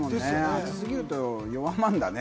暑過ぎると弱まるんだね。